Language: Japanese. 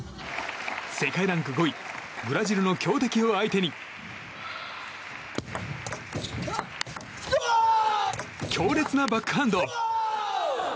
世界ランク５位ブラジルの強敵を相手に強烈なバックハンド！